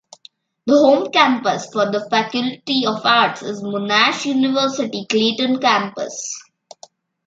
The home campus for the Faculty of Arts is Monash University Clayton Campus.